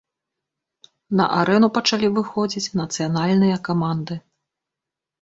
На арэну пачалі выходзіць нацыянальныя каманды.